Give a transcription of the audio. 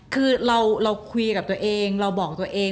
คือเราคุยกับตัวเองเราบอกตัวเอง